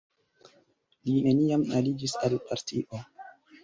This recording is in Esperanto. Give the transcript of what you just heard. Li neniam aliĝis al partio.